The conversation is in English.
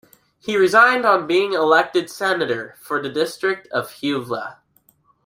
He resigned on being elected senator for the district of Huelva.